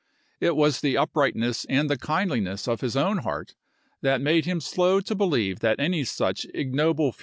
It was the upright ness and the kindliness of his own heart that made him slow to believe that any such ignoble fury him.